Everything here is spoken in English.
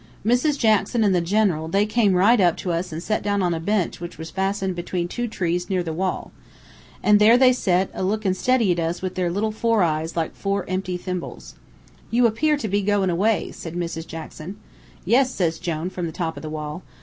"Mrs. Jackson an' the General, they came right up to us an' set down on a bench which was fastened between two trees near the wall. An' there they set, a lookin' steady at us with their four little eyes, like four empty thimbles. "'You appear to be goin' away,' says Mrs. Jackson. "'Yes,' says Jone from the top of the wall.